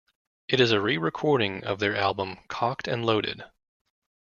It is a re-recording of their album "Cocked and Loaded".